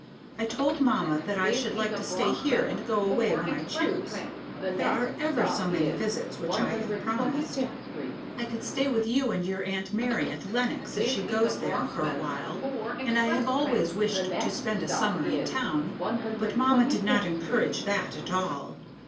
I told mamma that I should like to stay here and go away when I choose. There are ever so many visits which I have promised; I could stay with you and your Aunt Mary at Lenox if she goes there, for a while, and I have always wished to spend a summer in town; but mamma did not encourage that at all.